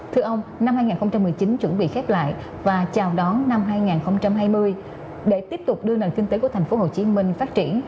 thưa ông năm hai nghìn một mươi chín chuẩn bị khép lại và chào đón năm hai nghìn hai mươi để tiếp tục đưa nền kinh tế của thành phố hồ chí minh phát triển